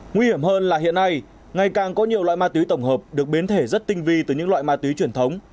nguy hiểm hơn là hiện nay ngày càng có nhiều loại ma túy tổng hợp được biến thể rất tinh vi từ những loại ma túy truyền thống